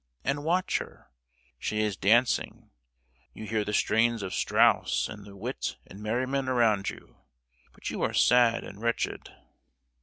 and watch her. She is dancing. You hear the strains of Strauss, and the wit and merriment around you, but you are sad and wretched.